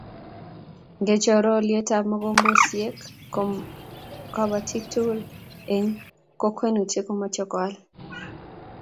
Ngechor olyetab mogombesiek ko kobotik tugul eng kokwatinwek komuchi koal